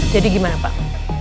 jadi gimana pak